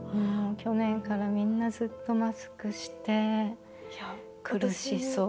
去年からみんなずっとマスクして苦しそう。